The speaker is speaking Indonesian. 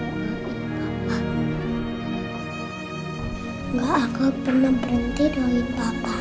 enggak aku pernah berhenti dari papa